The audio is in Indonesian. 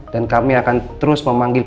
dan kami akan terus memanggil